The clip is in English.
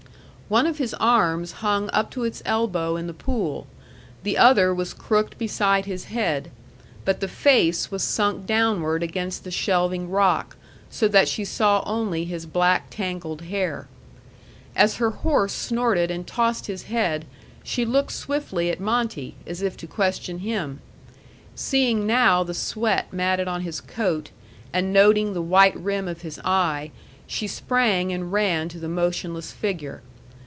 One of his arms hung up to its elbow in the pool, the other was crooked beside his head, but the face was sunk downward against the shelving rock, so that she saw only his black, tangled hair. As her horse snorted and tossed his head she looked swiftly at Monte, as if to question him. Seeing now the sweat matted on his coat, and noting the white rim of his eye, she sprang and ran to the motionless figure.